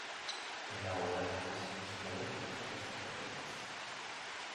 En la obra no hay cuestiones teóricas y clasificatorias.